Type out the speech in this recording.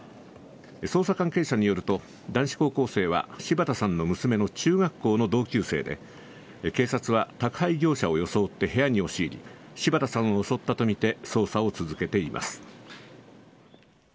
捜査関係者によると男子高校生は柴田さんの娘の中学校の同級生で警察は、宅配業者を装って部屋に押し入り柴田さんを襲ったとみて捜査を続けています。